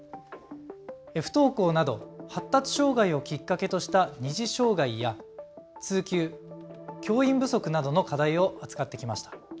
不登校など発達障害をきっかけとした二次障害や通級、教員不足などの課題を扱ってきました。